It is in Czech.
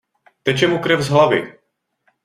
Teče mu krev z hlavy!